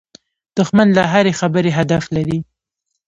دښمن له هرې خبرې هدف لري